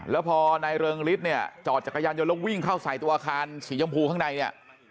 แล้วพอนายเริงฤทธิ์เนี่ยจอดจักรยานยนต์แล้ววิ่งเข้าใส่ตัวอาคารสีชมพูข้างในเนี่ย